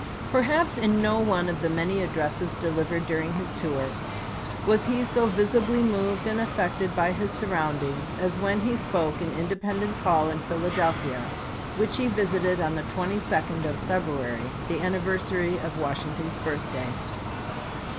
Perhaps in no one of the many addresses de livered during his tour was he so visibly moved SPEINGFIELD TO WASHINGTON 299 and affected by Ms surroundings as when he chap.xix. spoke in Independence Hall in Philadelphia, which he visited on the 22d of February, the anniversary lsei. of Washington's birthday.